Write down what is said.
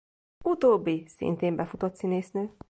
Utóbbi szintén befutott színésznő.